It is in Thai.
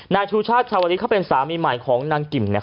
นายชูชาติชาวลิศเขาเป็นสามีใหม่ของนางกิมเนี่ย